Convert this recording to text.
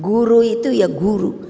guru itu ya guru